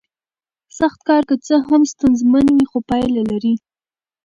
سخت کار که څه هم ستونزمن وي خو پایله لري